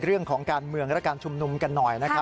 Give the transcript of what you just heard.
เรื่องของการเมืองและการชุมนุมกันหน่อยนะครับ